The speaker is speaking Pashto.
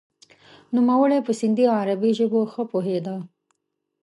نوموړی په سندهي او عربي ژبو ښه پوهیده.